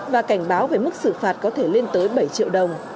và cảnh báo về mức xử phạt có thể lên tới bảy triệu đồng